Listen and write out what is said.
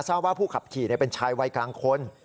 ทราบว่าผู้ขับขี่เป็นชายวัยกลางคน